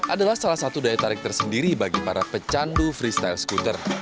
adalah salah satu daya tarik tersendiri bagi para pecandu freestyle skuter